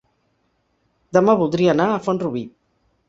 Demà voldria anar a Font-rubí.